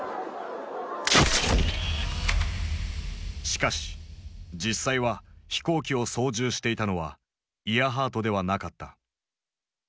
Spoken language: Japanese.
しかし実際は飛行機を操縦していたのはイアハートではなかった。